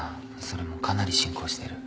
それもかなり進行してる。